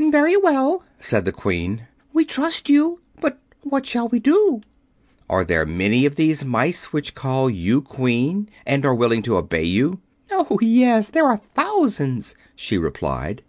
"Very well," said the Queen, "we trust you. But what shall we do?" "Are there many of these mice which call you Queen and are willing to obey you?" "Oh, yes; there are thousands," she replied.